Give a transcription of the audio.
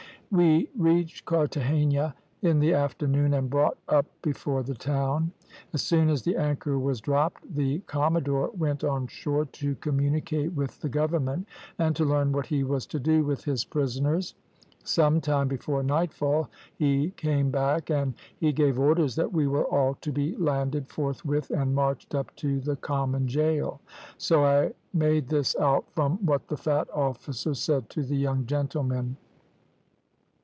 "We reached Carthagena in the afternoon, and brought up before the town. As soon as the anchor was dropped, the commodore went on shore to communicate with the government, and to learn what he was to do with his prisoners; some time before nightfall he came back, and he gave orders that we were all to be landed forthwith and marched up to the common gaol; so I made this out from what the fat officer said to the young gentlemen.